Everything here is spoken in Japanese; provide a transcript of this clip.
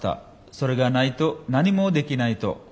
それがないと何もできないと。